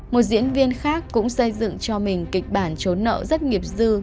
một diễn viên khác cũng xây dựng cho mình kịch bản trốn nợ rất nghiệp dư